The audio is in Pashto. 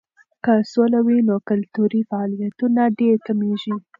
که سوله وي نو کلتوري فعالیتونه ډېر کیږي.